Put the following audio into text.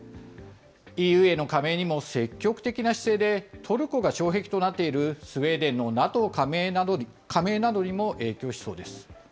ＥＵへの加盟にも積極的な姿勢で、トルコが障壁となっているスウェーデンのＮＡＴＯ加盟などにも影響しそうです。